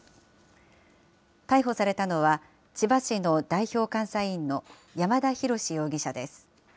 逮捕されたのは、千葉市の代表監査委員の山田啓志容疑者です。